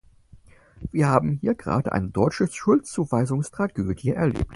Wir haben hier gerade eine deutsche Schuldzuweisungstragödie erlebt.